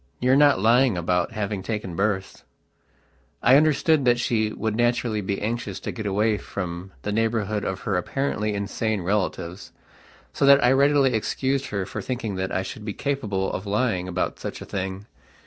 You are not lying about having taken berths?" I understood that she would naturally be anxious to get away from the neighbourhood of her apparently insane relatives, so that I readily excused her for thinking that I should be capable of lying about such a thing.